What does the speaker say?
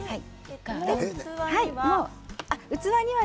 器には？